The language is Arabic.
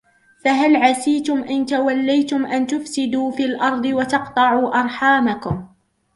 فهل عسيتم إن توليتم أن تفسدوا في الأرض وتقطعوا أرحامكم